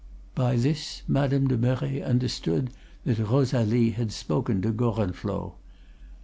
By this Madame de Merret understood that Rosalie had spoken to Gorenflot.